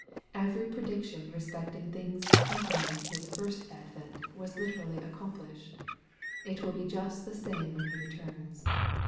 Every prediction respecting things accompanying His first advent was literally accomplished. It will be just the same when He returns.